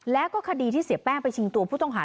แล้วก็คดีที่เสียแป้งไปชิงตัวผู้ต้องหา